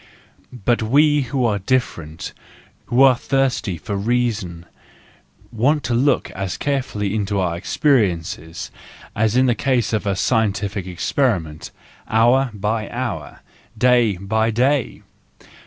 But we who are different, who are thirsty for reason, want to look as carefully into our experiences, as in the case of a scientific ex¬ periment, hour by hour, day by day!